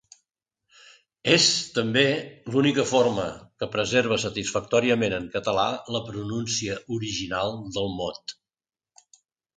És, també, l'única forma que preserva satisfactòriament en català la pronúncia original del mot.